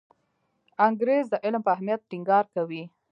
انګریز د عمل په اهمیت ټینګار کوي.